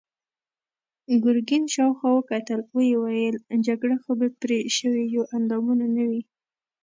ګرګين شاوخوا وکتل، ويې ويل: جګړه خو بې پرې شويوو اندامونو نه وي.